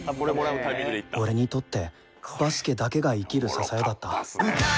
俺にとってバスケだけが生きる支えだった。